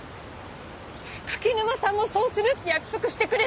柿沼さんもそうするって約束してくれた。